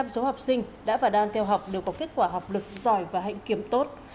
một trăm linh số học sinh đã và đang theo học đều có kết quả học lực giỏi và hạnh kiểm tốt